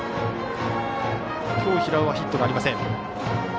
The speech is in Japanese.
今日、平尾はヒットがありません。